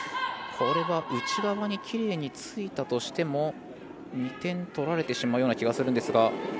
これは内側にきれいについたとしても２点取られてしまうような気がするんですが。